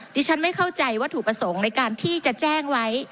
ที่ฉันไม่เข้าใจวัตถุประสงค์ในการที่จะแจ้งไว้